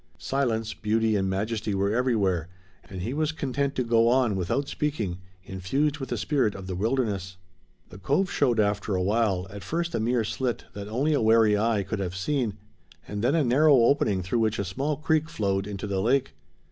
Silence, beauty and majesty were everywhere, and he was content to go on, without speaking, infused with the spirit of the wilderness. The cove showed after a while, at first a mere slit that only a wary eye could have seen, and then a narrow opening through which a small creek flowed into the lake.